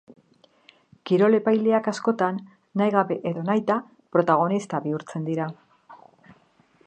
Kirol epaileak askotan, nahi gabe edo nahita, protagonista bihurtzen dira.